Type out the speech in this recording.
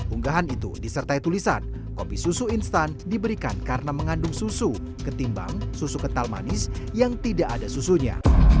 unggahan itu disertai tulisan kopi susu instan diberikan karena mengandung susu ketimbang susu kental manis yang tidak ada susunya